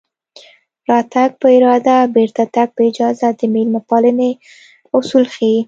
راتګ په اراده بېرته تګ په اجازه د مېلمه پالنې اصول ښيي